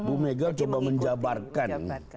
bu mega mencoba menjabarkan